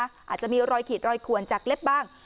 อาจจะมีรอยขีดรอยขวนจากเล็บบ้าง